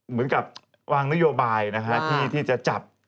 เหมือนกับวางนโยบายนะฮะที่จะจับ